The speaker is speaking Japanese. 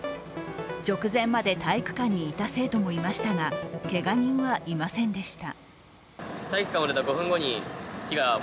直前まで体育館にいた生徒もいましたがけが人はいませんでした。